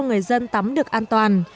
người dân tắm được an toàn